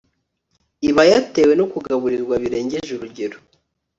iba yatewe no kugaburirwa birengeje urugero